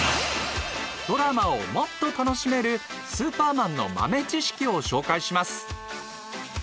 ドラマをもっと楽しめる「スーパーマン」の豆知識を紹介します。